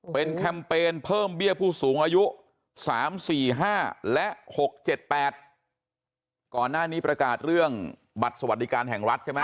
เป็นแคมเปญเพิ่มเบี้ยผู้สูงอายุ๓๔๕และ๖๗๘ก่อนหน้านี้ประกาศเรื่องบัตรสวัสดิการแห่งรัฐใช่ไหม